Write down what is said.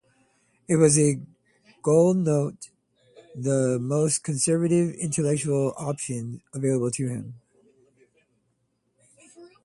This was as Gould notes, the most conservative intellectual option available to him.